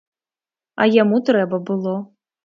А яму трэба было.